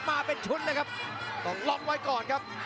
มาเป็นชุดเลยครับต้องล็อกไว้ก่อนครับ